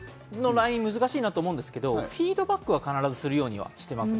叱るのライン難しいなと思うんですが、フィードバックは必ずするようにしています。